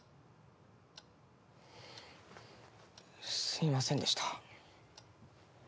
すいませんでした。